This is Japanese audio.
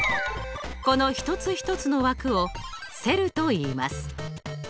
この一つ一つの枠をセルといいます。